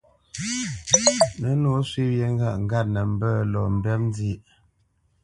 Nə̌nǒ nə shwé wyê ŋgâʼ ŋgât nə mbə́ lɔ mbɛ́p nzyêʼ.